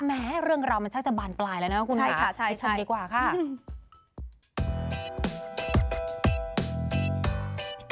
แม้เรื่องราวมันช่างจะบานปลายแล้วนะคุณหรอชนดีกว่าค่ะใช่ค่ะ